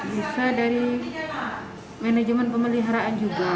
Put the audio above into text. bisa dari manajemen pemeliharaan juga